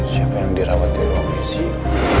siapa yang dirawat di ruang icu